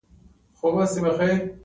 احمد د هر چا په خبره کې ګوته وهي.